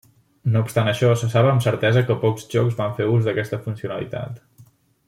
No obstant això, se sap amb certesa que pocs jocs van fer ús d'aquesta funcionalitat.